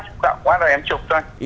xúc động quá rồi em chụp thôi